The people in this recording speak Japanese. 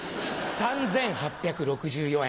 ３８６４円